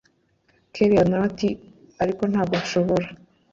kellia nawe ati ariko ntago nshobora